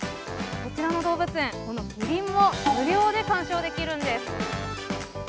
こちらの動物園、このキリンも無料で鑑賞できるんです。